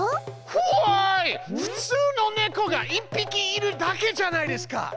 ふつうのネコが１匹いるだけじゃないですか！